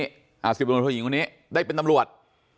สิบตำรวจโทยิงคนนี้ได้เป็นตำรวจ